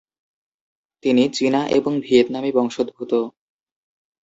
তিনি চীনা এবং ভিয়েতনামী বংশোদ্ভূত।